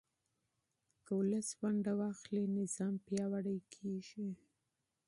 که ولس ونډه واخلي، نظام پیاوړی کېږي.